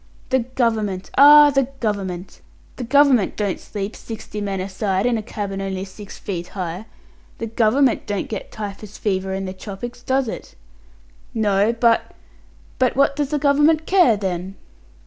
"The Government! Ah! The Government! The Government don't sleep, sixty men a side, in a cabin only six feet high. The Government don't get typhus fever in the tropics, does it?" "No but " "But what does the Government care, then?"